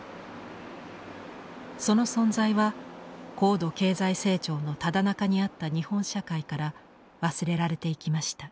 その存在は高度経済成長のただ中にあった日本社会から忘れられていきました。